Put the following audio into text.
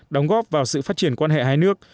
đóng góp vào sự phát triển quan hệ hai nước